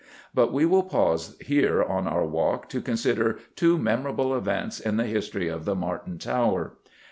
But we will pause here on our walk to consider two memorable events in the history of the Martin Tower.